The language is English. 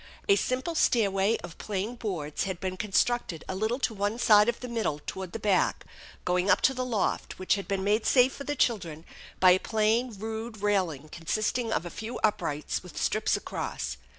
A simple stairway of plain boards had been constructed a little to one side of the middle toward the back, going up to the loft, which had been made safe for the children by a plain rude railing consisting of a few uprights with strips across.